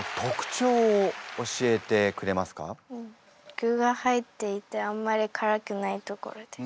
具が入っていてあんまりからくないところです。